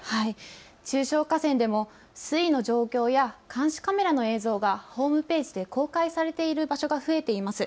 中小河川でも水位の状況や監視カメラの映像がホームページで公開されている場所が増えています。